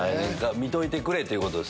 見といてくれということです